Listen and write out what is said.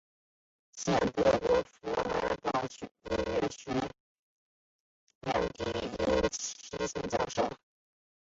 现德国弗莱堡音乐学院低音提琴教授。